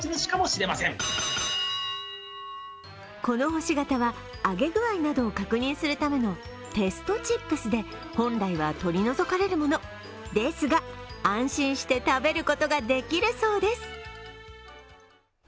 この星形は揚げ具合などを確認するためのテストチップスで本来は取り除かれるものですが、安心して食べることができるそうです。